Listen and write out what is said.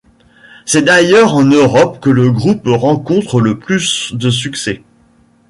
C'est d'ailleurs en Europe que le groupe rencontre le plus de succès.